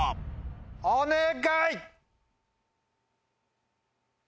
お願い！